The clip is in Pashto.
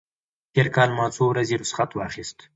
تېر کال ما څو ورځې رخصت واخیست.